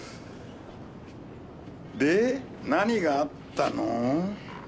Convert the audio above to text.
で何があったの？